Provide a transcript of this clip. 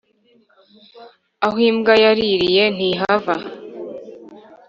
Aho imbwa yaririye ntihava.